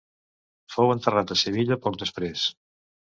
Fou enterrat a Sevilla poc després.